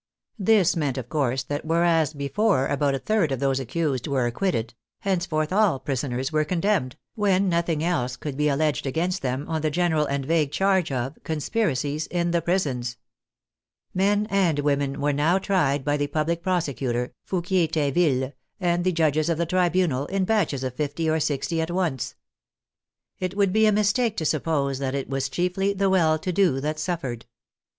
This meant, of course, that whereas before about a third of those accused were acquitted, henceforth all prisoners were condemned, when nothing else could be alleged against them, on the general and vague charge of " conspiracies in the prisons." Men 85 86 THE FRENCH REVOLUTION and women were now tried by the public prosecutor, Fou quier Tinville, and the judges of the Tribunal, in batches of fifty or sixty at once. It would be a mistake to sup pose that it was chiefly the well to do that suffered.